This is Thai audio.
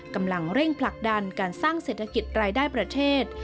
กำลังเร่งผลักดันการสร้างเศรษฐกิจรายได้ประเทศ